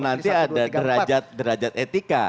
nanti ada derajat etika